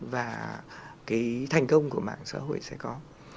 và cái thành công của mạng xã hội sẽ có